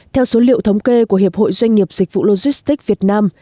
theo số liệu thống kê của hiệp hội doanh nghiệp dịch vụ logistics việt nam